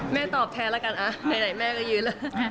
แม่ตอบแทนละกันอะไหนแม่ก็ยืน